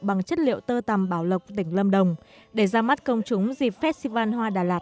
bằng chất liệu tơ tầm bảo lộc tỉnh lâm đồng để ra mắt công chúng dịp festival hoa đà lạt hai nghìn một mươi chín